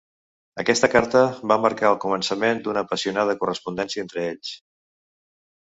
Aquesta carta va marcar el començament d'una apassionada correspondència entre ells.